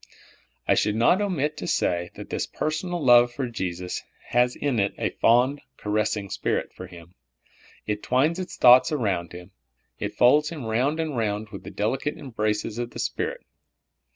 I should not omit to say that this personal love for Jesus has in it a fond, caressing spirit for Him. It twines its thoughts around Him. It folds Him round and round with the delicate embraces of the Spirit.